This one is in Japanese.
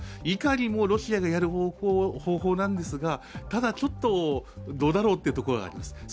いかにもロシアがやる方法なんですがただちょっとどうだろうというところがあります。